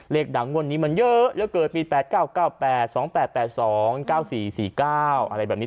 เลขดังว่านี้มันเยอะแล้วเกิดมี๘๙๙๘๒๘๘๒๙๔๔๙อะไรแบบนี้